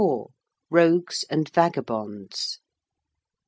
ROGUES AND VAGABONDS.